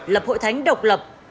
lập hội thánh độc lập